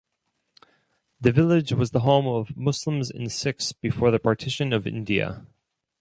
The village was the home of Muslims and Sikhs before Partition Of India.